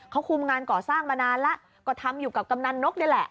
เขาคุมงานก่อสร้างมานานแล้วก็ทำอยู่กับกำนันนกนี่แหละ